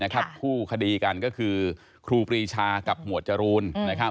คู่คดีกันก็คือครูปรีชากับหมวดจรูน